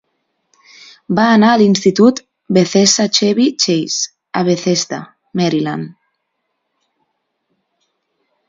Va anar a l'institut Bethesda-Chevy Chase, a Bethesda (Maryland).